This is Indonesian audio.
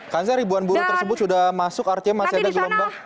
kansa ribuan buruh tersebut sudah masuk artinya mas aida gelombang